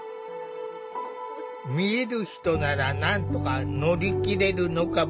見える人ならなんとか乗り切れるのかもしれない。